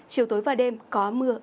chiều tối và đêm có mưa ở diện vài nơi